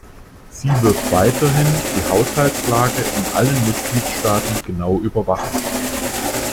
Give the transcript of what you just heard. Sie wird weiterhin die Haushaltslage in allen Mitgliedstaaten genau überwachen.